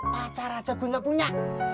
pacar aja gue gak punya